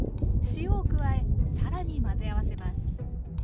塩を加え更に混ぜ合わせます。